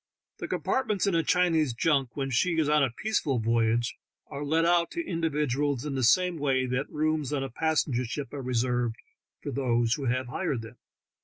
The compartments in a Chinese junk when she is on a peaceful voyage are let out to individuals in the same way that the rooms on a passenger ship are reserved for those who have hired them.